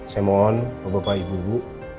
saya mohon bapak bapak ibu ibu